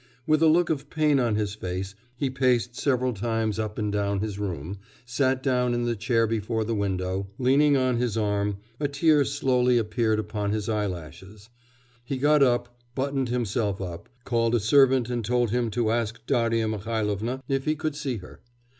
With a look of pain on his face he paced several times up and down his room, sat down in the chair before the window, leaning on his arm; a tear slowly appeared upon his eyelashes. He got up, buttoned himself up, called a servant and told him to ask Darya Mihailovna if he could see her.